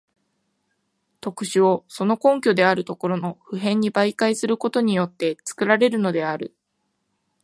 特殊をその根拠であるところの普遍に媒介することによって作られるのである。